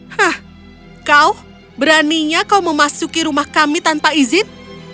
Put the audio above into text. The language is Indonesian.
hah kau beraninya kau memasuki rumah kami tanpa izin